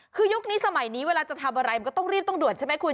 คือยุคนี้สมัยนี้เวลาจะทำอะไรมันก็ต้องรีบต้องด่วนใช่ไหมคุณ